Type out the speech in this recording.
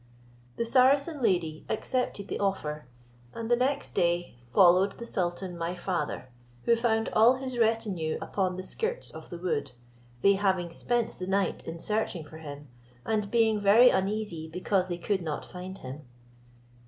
The Saracen lady accepted the offer, and the next day followed the sultan my father, who found all his retinue upon the skirts of the wood, they having spent the night in searching for him, and being very uneasy because they could not find him.